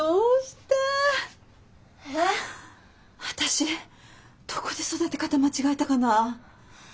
私どこで育て方間違えたかな？